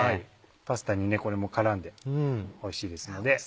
パスタにこれも絡んでおいしいですので。